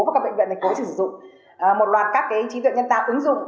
hoặc các bệnh viện thành phố sẽ sử dụng một loạt các trí tuệ nhân tạo ứng dụng